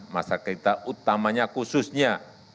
masyarakat kita utamanya khususnya